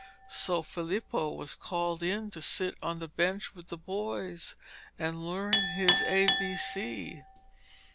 So Filippo was called in to sit on the bench with the boys and learn his A B C.